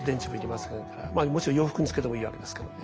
もちろん洋服につけてもいいわけですけども。